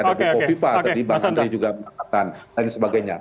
dari bukovipa tadi bang andri juga mengatakan dan sebagainya